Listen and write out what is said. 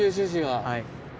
はい。